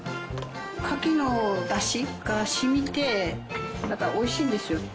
カキのだしが染みておいしいんですよ。